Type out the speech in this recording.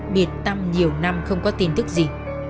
biệt tâm nhiều năm không có tin tức gì